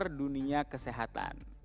seputar dunia kesehatan